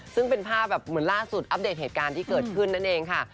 ซึ่งเป็นภาพแบบเหมือนล่าสุดอัปเดตเหตุการณ์ที่เกิดขึ้นนั่นเองค่ะ